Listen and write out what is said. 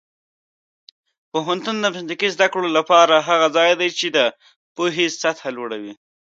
پوهنتون د مسلکي زده کړو لپاره هغه ځای دی چې د پوهې سطح لوړوي.